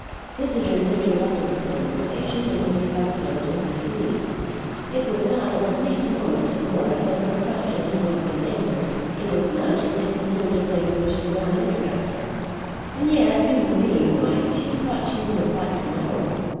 Visitors interrupted the conversation and Mr. Buckstone took his leave. It was not of the least moment to Laura that her question had not been answered, inasmuch as it concerned a thing which did not interest her; and yet, human being like, she thought she would have liked to know.